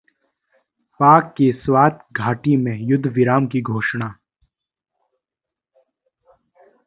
पाक की स्वात घाटी में युद्धविराम की घोषणा